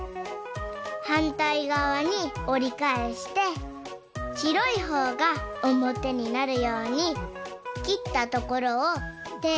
はんたいがわにおりかえしてしろいほうがおもてになるようにきったところをテープでペトッ。